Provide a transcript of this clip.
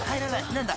何だ⁉］